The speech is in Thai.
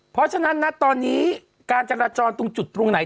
เพราะฉะนั้นนะตอนนี้การจราจรตรงจุดตรงไหน